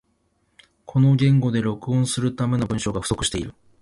この言語で録音するための文章が不足している